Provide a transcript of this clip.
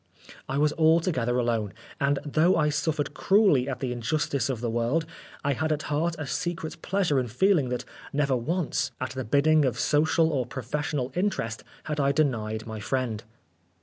I was al together alone ; and though I suffered cruelly at the injustice of the world, I had at heart a secret pleasure in feeling that never once, at the bidding of social or professional i45 10 Oscar Wilde interest, had I denied my friend.